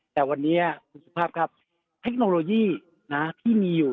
แต่วันนี้คุณสุภาพครับเทคโนโลยีที่มีอยู่